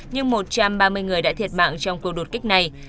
nhưng một trăm ba mươi người đã thiệt mạng trong cuộc đột kích này